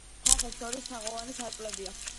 თაღებს შორის თაღოვანი სარკმლებია.